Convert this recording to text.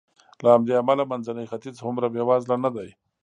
له همدې امله منځنی ختیځ هومره بېوزله نه دی.